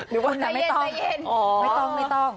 นึกว่าสะเย็นอ๋อไม่ต้อง